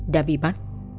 đã bị bắt